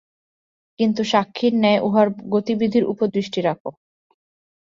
কিন্তু সাক্ষীর ন্যায় উহার গতিবিধির উপর দৃষ্টি রাখ।